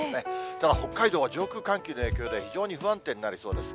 ただ、北海道は上空、寒気の影響で非常に不安定になりそうです。